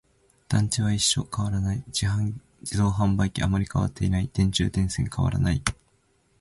団地は一緒、変わらない。自動販売機、あまり変わっていない。電柱、電線、変わらない。